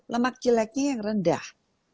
lemak jeleknya yang rendah